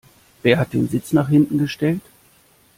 Wer hat den Sitz nach hinten gestellt?